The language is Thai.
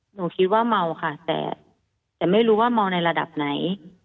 หนูคิดว่าเมาค่ะแต่ไม่รู้ว่าเมาในระดับไหน